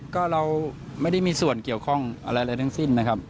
ก็เราไม่ได้มีส่วนเกี่ยวข้องอะไรเลยทั้งสิ้นนะครับ